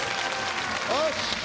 よし！